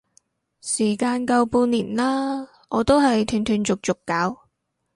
時間夠半年啦，我都係斷斷續續搞